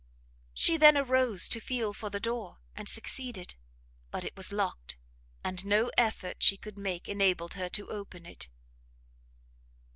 She then arose to feel for the door, and succeeded; but it was locked, and no effort she could make enabled her to open it.